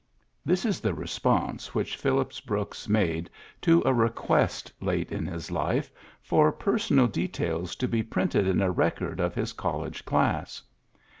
'' This is the response which Phillips Brooks made to a request, late in his life, for personal details to be printed in a record of his college class.